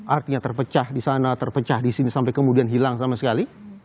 artinya terpecah di sana terpecah di sini sampai kemudian hilang sama sekali